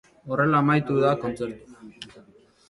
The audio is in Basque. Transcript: Horrela amaitu da kontzertua.